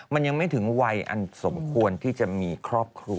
มันยังไม่ถึงวัยอันสมควรที่จะมีครอบครัว